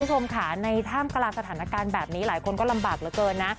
คุณผู้ชมค่ะในท่ามกลางสถานการณ์แบบนี้หลายคนก็ลำบากเหลือเกินนะ